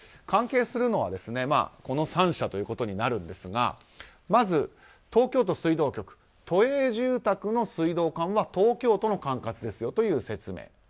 関係するのはこの３者ということになるんですがまず東京都水道局は都営住宅の水道管は東京都の管轄ですよという説明。